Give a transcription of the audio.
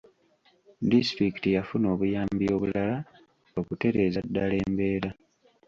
Disitulikiti yafuna obuyambi obulala okutereereza ddala embeera.